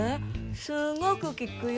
すんごく効くよ。